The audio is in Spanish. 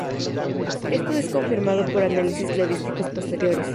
Esto es confirmado por análisis cladísticos posteriores.